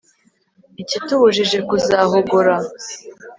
icyitubujije kuzahogora